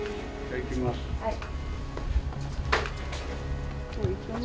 はい。